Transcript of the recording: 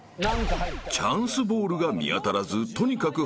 ［チャンスボールが見当たらずとにかくはじけさす